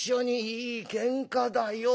いいケンカだよ。